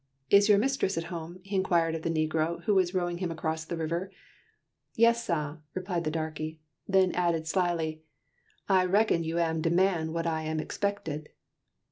"Is your mistress at home?" he inquired of the negro who was rowing him across the river. "Yes, sah," replied the darkey, then added slyly, "I recon you am de man what am expected."